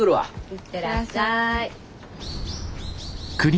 いってらっしゃい。